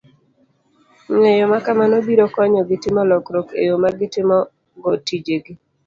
Ng'eyo ma kamano biro konyogi timo lokruok e yo ma gitimogo tijegi